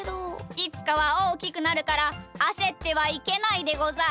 いつかはおおきくなるからあせってはいけないでござる。